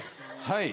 はい。